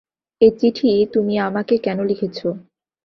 এ চিঠি তুমি আমকে কেন লিখেছ।